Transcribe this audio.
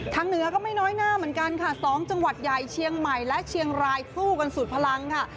เหนือก็ไม่น้อยหน้าเหมือนกันค่ะ๒จังหวัดใหญ่เชียงใหม่และเชียงรายสู้กันสุดพลังค่ะ